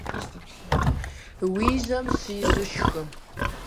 Уи жьэм щызу шхы.